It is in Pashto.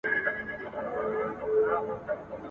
داسي ورځ درڅخه غواړم را خبر مي خپل ملیار کې ..